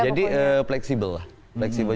jadi fleksibel lah